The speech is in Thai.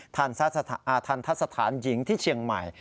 ทันทัศนหญิงที่เฉียงใหม่